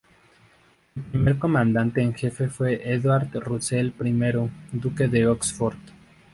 Su primer comandante en jefe fue Edward Russell I duque de Oxford.